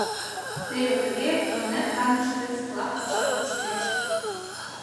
Теве тыге Элнет аҥыште сплав паша кушкеш.